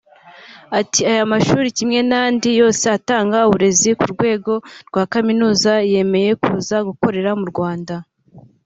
Ati “Aya mashuri kimwe n’andi yose atanga uburezi ku rwego rwa kaminuza yemeye kuza gukorera mu Rwanda